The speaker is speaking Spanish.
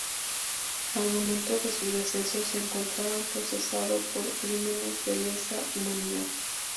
Al momento de su deceso se encontraba procesado por crímenes de lesa humanidad.